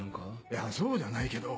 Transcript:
いやそうじゃないけど。